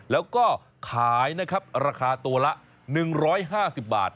แล้วก็ขายนะครับราคาตัวละ๑๕๐บาท